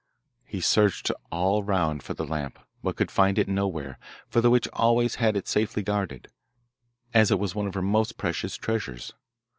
He searched all round for the lamp, but could find it nowhere, for the witch always had it safely guarded, as it was one of her most precious treasures.